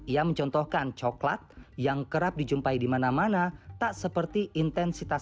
ia mencontohkan coklat yang kerap dijumpai di mana mana tak seperti intensitas